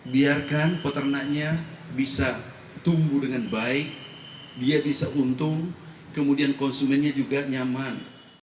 biarkan peternaknya bisa tumbuh dengan baik dia bisa untung kemudian konsumennya juga nyaman